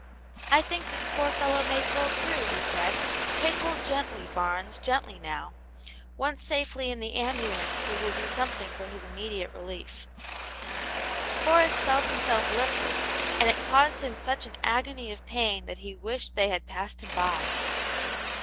" I think this poor fellow may pull through," he said, *'take hold gently, Barnes, gently now; once safely in the ambulance we will do something for his immediate relief." Horace felt himself lifted, and it caused him such an agony of pain that he wished they had passed him by.